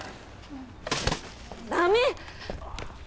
駄目！